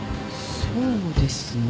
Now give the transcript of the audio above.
そうですね。